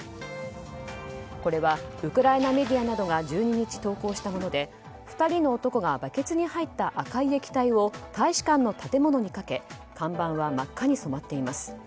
これはウクライナメディアなどが１２日投稿したもので２人の男がバケツに入った赤い液体を大使館の建物にかけ看板は真っ赤に染まっています。